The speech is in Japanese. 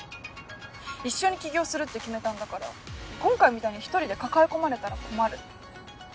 一緒に起業するって決めたんだから今回みたいに１人で抱え込まれたら困る。